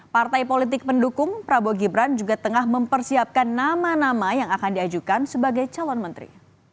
partai politik pendukung prabowo gibran juga tengah mempersiapkan nama nama yang akan diajukan sebagai calon menteri